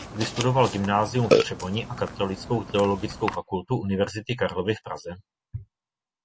Vystudoval gymnázium v Třeboni a Katolickou teologickou fakultu Univerzity Karlovy v Praze.